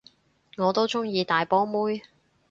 我都鍾意大波妹